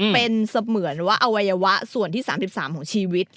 เป็นเสมือนว่าอวัยวะส่วนที่๓๓ของชีวิต